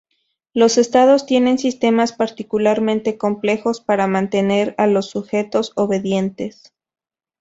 Los estados tienen sistemas particularmente complejos para mantener a los sujetos obedientes.